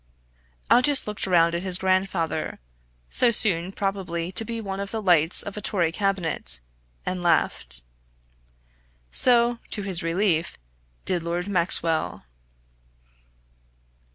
Aldous looked round at his grandfather, so soon probably to be one of the lights of a Tory Cabinet, and laughed. So, to his relief, did Lord Maxwell.